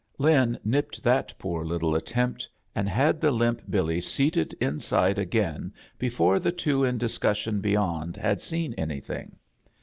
Lia nipped that poor little attempt and had the limp Billy seated inside ^ain before the two in dis cussion beyond had seen anything.